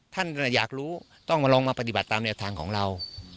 ท่านอยากรู้ต้องมาลองมาปฏิบัติตามแนวทางของเรา